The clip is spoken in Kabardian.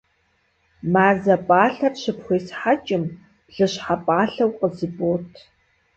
Мазэ пӏалъэр щыпхуесхьэкӏым, блыщхьэ пӏалъэу къызыбот.